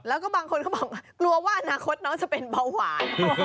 แล้วก็บางคนเขาบอกกลัวว่าอนาคตน้องจะเป็นเบาหวาน